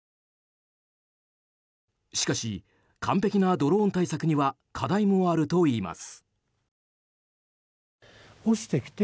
しかし、完璧なドローン対策には課題もあるといいます。